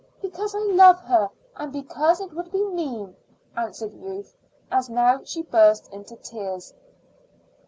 "Because I love her, and because it would be mean," answered Ruth, and now she burst into tears.